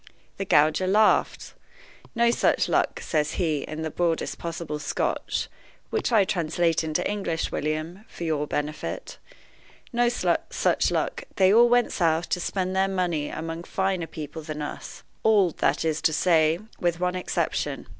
The gauger laughs. 'No such luck,' says he, in the broadest possible Scotch (which I translate into English, William, for your benefit); 'no such luck; they all went south, to spend their money among finer people than us all, that is to say, with one exception.